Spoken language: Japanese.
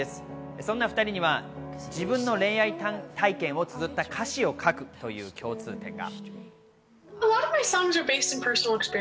そんな２人には自分の恋愛体験をつづった歌詞を書くという共通点が。